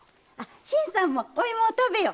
新さんもお食べよ。